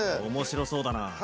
おもしろそうだな。